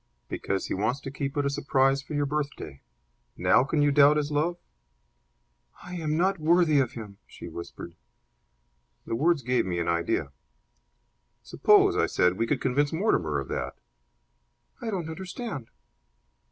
"Because he wants to keep it a surprise for your birthday. Now can you doubt his love?" "I am not worthy of him!" she whispered. The words gave me an idea. "Suppose," I said, "we could convince Mortimer of that!" "I don't understand."